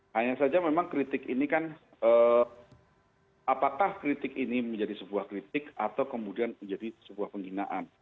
hanya saja memang kritik ini kan apakah kritik ini menjadi sebuah kritik atau kemudian menjadi sebuah penghinaan